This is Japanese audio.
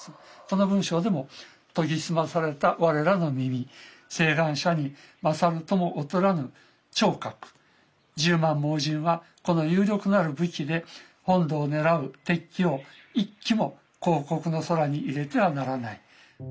この文章でも「磨ぎ澄まされた我らの耳眼者に勝るとも劣らぬ聽覺十万盲人はこの有力なる武器で本土を狙ふ敵機を一機も皇國の空に入れてはならない」。